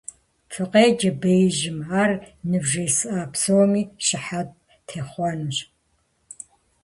Фыкъеджэ беижьым: ар нывжесӀэ псоми щыхьэт техъуэнущ.